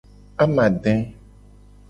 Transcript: Amade.